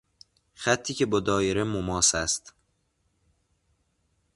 خطی که با دایره مماس است.